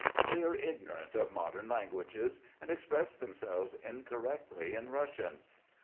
They are ignorant of modern languages and express themselves incorrectly in Russian.